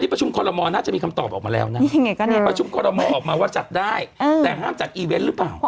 ประชุมกลมออกมาว่าจัดได้แต่ห้ามจัดอีเว้นหรือเปล่า